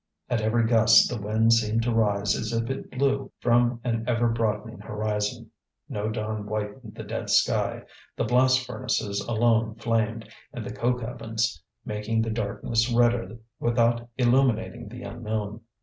At every gust the wind seemed to rise as if it blew from an ever broadening horizon. No dawn whitened the dead sky. The blast furnaces alone flamed, and the coke ovens, making the darkness redder without illuminating the unknown.